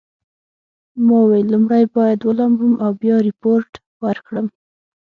ما وویل لومړی باید ولامبم او بیا ریپورټ ورکړم.